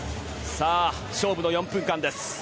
勝負の４分間です。